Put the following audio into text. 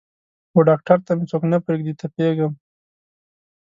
وډاکتر ته مې څوک نه پریږدي تپیږم